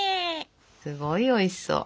すごいおいしそう。